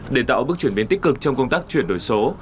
để tạo bước chuyển biến tích cực trong công tác chuyển đổi số